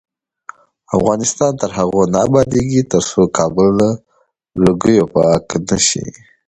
افغانستان تر هغو نه ابادیږي، ترڅو کابل له لوګیو پاک نشي.